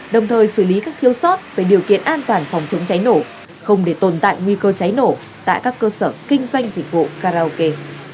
đồng thời xử lý các thiếu sót về điều kiện an toàn phòng chống cháy nổ không để tồn tại nguy cơ cháy nổ tại các cơ sở kinh doanh dịch vụ karaoke